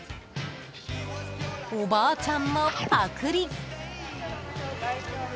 ［おばあちゃんもパクリ］